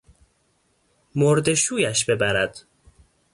مرده شویش ببرد!